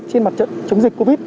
trên mặt trận chống dịch covid